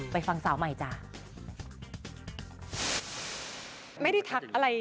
ฟังสาวใหม่จ้า